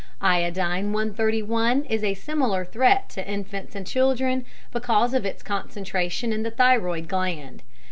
Iodine 131 is a similar threat to infants and children because of its concentration in the thyroid gland.